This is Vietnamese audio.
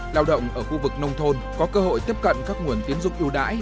lao động ở khu vực nông thôn có cơ hội tiếp cận các nguồn tiến dụng ưu đãi